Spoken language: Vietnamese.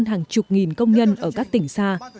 hàng chục nghìn công nhân ở các tỉnh xa